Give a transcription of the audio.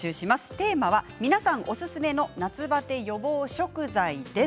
テーマは皆さんおすすめの夏バテ予防食材です。